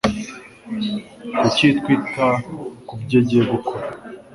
Kuki twita kubyo agiye gukora?